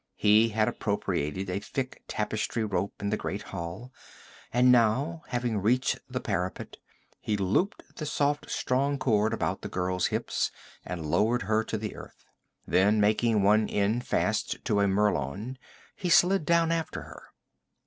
He had appropriated a thick tapestry rope in the great hall, and now, having reached the parapet, he looped the soft strong cord about the girl's hips and lowered her to the earth. Then, making one end fast to a merlon, he slid down after her.